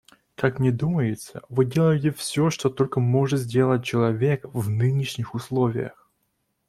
Как мне думается, вы делаете все, что только может сделать человек в нынешних условиях.